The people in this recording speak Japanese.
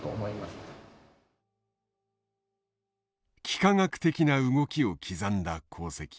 幾何学的な動きを刻んだ航跡。